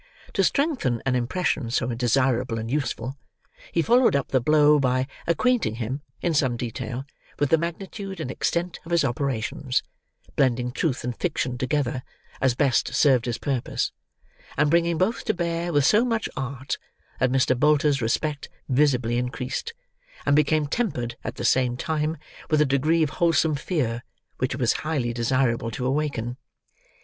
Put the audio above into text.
To strengthen an impression so desirable and useful, he followed up the blow by acquainting him, in some detail, with the magnitude and extent of his operations; blending truth and fiction together, as best served his purpose; and bringing both to bear, with so much art, that Mr. Bolter's respect visibly increased, and became tempered, at the same time, with a degree of wholesome fear, which it was highly desirable to awaken.